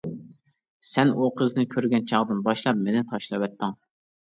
سەن ئۇ قىزنى كۆرگەن چاغدىن باشلاپ مېنى تاشلىۋەتتىڭ!